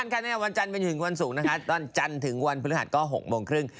ทุกวันนะคะมันจะในวันถืองวันสุขวันจันทร์ถึงวันพฤหาทก็โหกโมงครึ่ง